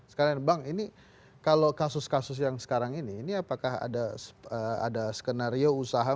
sekarang bang ini kalau kasus kasus yang sekarang ini ini apakah ada skenario usaha